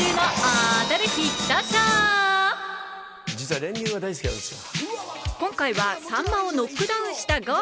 実は練乳が大好きなんですよ。